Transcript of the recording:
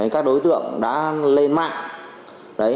các đối tượng đã lên mạng